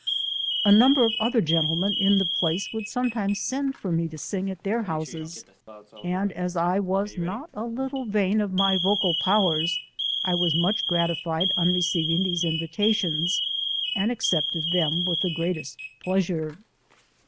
A number of other gentlemen in the place would sometimes send for me to sing at their houses, and as I was not a little vain of my vocal powers, I was much gratified on receiving these invitations, and accepted them with the greatest pleasure.